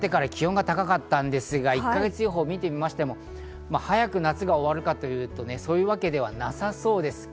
そして梅雨が明けてから気温が高かったんですが、１か月予報を見てみましても早く夏が終わるかというと、そういうわけではなさそうです。